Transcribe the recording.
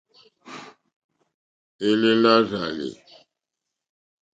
Èlèlà rzàlì.